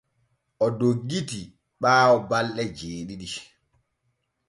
O doggiti ɓaawo balɗe seɗɗa.